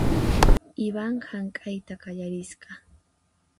Ivan hank'ayta qallarisqa .